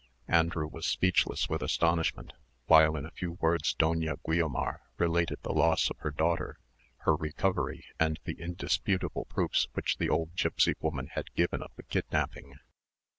Andrew was speechless with astonishment, while in a few words Doña Guiomar related the loss of her daughter, her recovery, and the indisputable proofs which the old gipsy woman had given of the kidnapping.